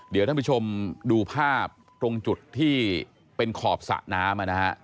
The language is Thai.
เดี๋ยวท่านผู้ชมดูภาพตรงจุดที่เป็นขอบสระน้ำนะฮะ